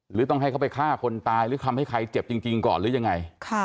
หรือต้องให้เขาไปฆ่าคนตายหรือทำให้ใครเจ็บจริงก่อนหรือยังไง